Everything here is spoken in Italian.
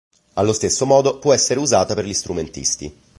Allo stesso modo può essere usata per gli strumentisti.